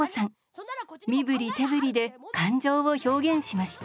身振り手振りで感情を表現しました。